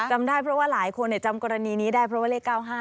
จำได้เพราะว่าหลายคนเนี่ยจำกรณีนี้ได้เพราะว่าเลข๙๕นี่แหละค่ะ